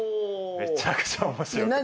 めちゃくちゃ面白くて。